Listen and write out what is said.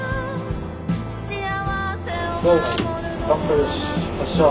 よし。